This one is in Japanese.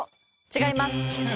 違います。